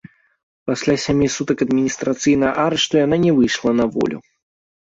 Пасля сямі сутак адміністрацыйнага арышту яна не выйшла на волю.